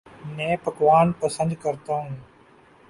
نئے پکوان پسند کرتا ہوں